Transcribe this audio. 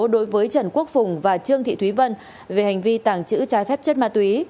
đối với trần quốc phùng và trương thị thúy vân về hành vi tàng trữ trái phép chất ma túy